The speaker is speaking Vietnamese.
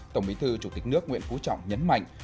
tổng bí thư chủ tịch nước nguyễn phú trọng nhấn mạnh